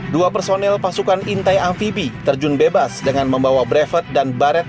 dua personel pasukan intai amfibi terjun bebas dengan membawa brevet dan baret